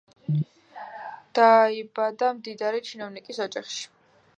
დაიბადა მდიდარი ჩინოვნიკის ოჯახში.